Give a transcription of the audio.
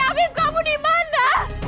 apip kau dimana